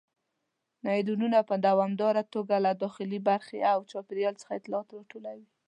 نیورونونه په دوامداره توګه له داخلي برخې او چاپیریال څخه اطلاعات راټولوي.